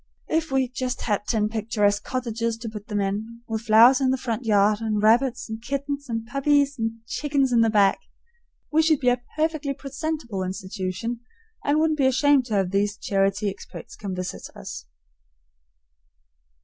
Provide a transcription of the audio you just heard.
If we just had ten picturesque cottages to put them in, with flowers in the front yard and rabbits and kittens and puppies and chickens in the back, we should be a perfectly presentable institution, and wouldn't be ashamed to have these charity experts come visiting us.